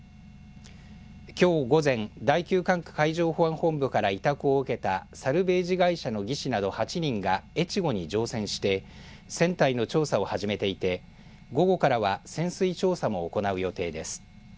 きょう午前第９管区海上保安本部から委託を受けたサルベージ会社の技師など８人がえちごに乗船して船体の調査を始めていて午後からは潜水調査も行う予定です。